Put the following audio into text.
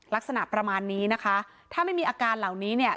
ลักษณะประมาณนี้นะคะถ้าไม่มีอาการเหล่านี้เนี่ย